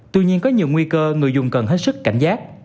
tuy nhiên có nhiều nguy cơ người dùng cần hết sức cảnh giác